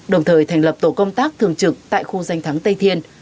đồng thời thành lập tổ công tác thường trực tại khu danh thắng tây thiên